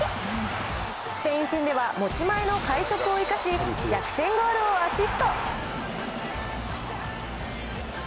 スペイン戦では持ち前の快足を生かし、逆転ゴールをアシスト。